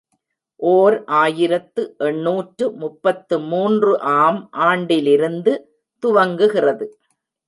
ஓர் ஆயிரத்து எண்ணூற்று முப்பத்து மூன்று ஆம் ஆண்டிலிருந்து துவங்குகிறது.